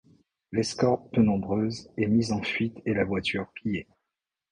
L’escorte peu nombreuse est mise en fuite et la voiture pillée.